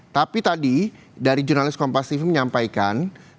tapi tadi dari jurnalis kompas tv menyampaikan